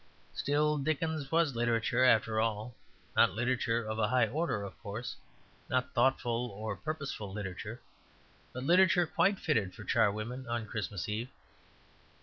Still Dickens was literature after all; not literature of a high order, of course, not thoughtful or purposeful literature, but literature quite fitted for charwomen on Christmas Eve.